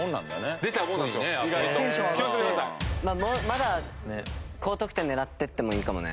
まだ高得点狙ってってもいいかもね。